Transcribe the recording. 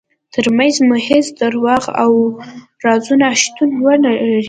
ترمنځ مو هیڅ دروغ او رازونه شتون ونلري.